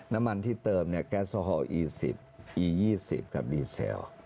น้ำมันที่เติมเนี่ยแก๊สโอฮอลอี๑๐อี๒๐กับดีเซล